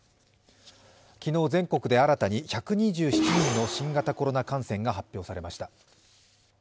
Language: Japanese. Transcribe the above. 昨日全国で新たに１２７人の新型コロナ感染が発表されました。